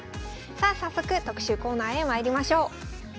さあ早速特集コーナーへまいりましょう。